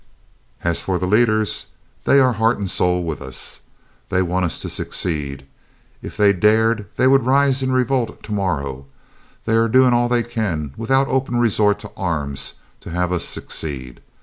"As for the leaders, they are heart and soul with us. They want us to succeed. If they dared they would rise in revolt to morrow. They are doing all they can, without open resort to arms, to have us succeed.